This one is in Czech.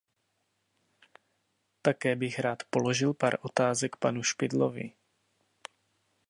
Také bych rád položil pár otázek panu Špidlovi.